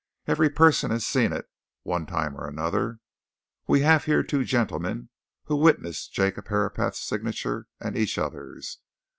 Every person has seen it, one time or another. We have here the two gentlemen who witnessed Jacob Herapath's signature and each other's.